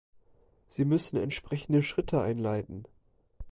Sie müssen entsprechende Schritte einleiten.